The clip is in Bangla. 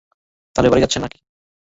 তাহলে, বাড়ি যাচ্ছেন নাকি?